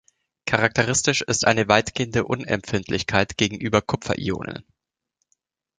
Charakteristisch ist eine weitgehende Unempfindlichkeit gegenüber Kupfer-Ionen.